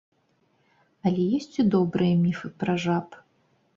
Але ёсць і добрыя міфы пра жаб.